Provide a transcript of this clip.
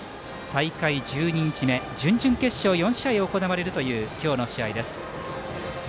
大会１２日目準々決勝４試合が行われるきょうの試合です。